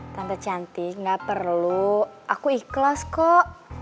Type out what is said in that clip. tante cantik gak perlu aku ikhlas kok